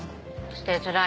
捨てづらい。